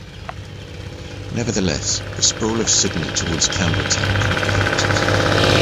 Nevertheless, the sprawl of Sydney towards Campbelltown couldn't be halted.